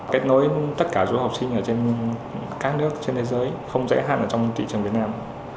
kết nối tất cả du học sinh ở trên các nước trên thế giới không rẽ hạn ở trong thị trường việt nam